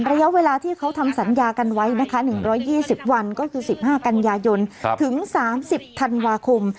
ระยะเวลาที่เขาทำสัญญากันไว้นะคะ๑๒๐วันก็คือ๑๕กันยายนถึง๓๐ธันวาคม